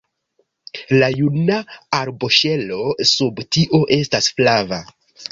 La juna arboŝelo sub tio estas flava.